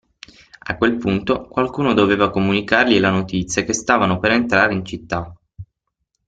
A quel punto, qualcuno doveva comunicargli la notizia che stavano per entrare in città.